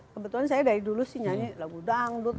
kebetulan saya dari dulu sih nyanyi lagu dangdut